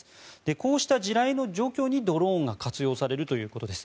こうした地雷の除去にドローンが活用されるということです。